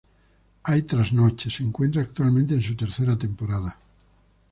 Hoy Trasnoche se encuentra actualmente en su tercera temporada.